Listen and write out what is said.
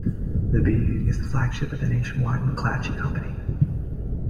The "Bee" is the flagship of the nationwide McClatchy Company.